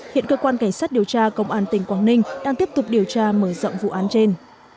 hiện cơ quan cảnh sát điều tra công an tỉnh quảng ninh đang tiếp tục điều tra mở rộng vụ án trên